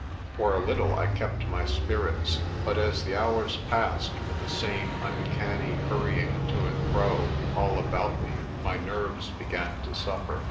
For a little I kept my spirits, but as the hours passed with the same uncanny hurrying to and fro all about me my nerves began to suffer.